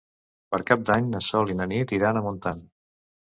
Per Cap d'Any na Sol i na Nit iran a Montant.